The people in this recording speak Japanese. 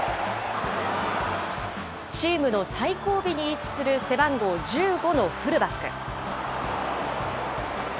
チームの最後尾に位置する背番号１５のフルバック。